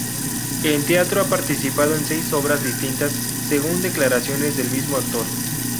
En teatro ha participado en seis obras distintas, según declaraciones del mismo actor.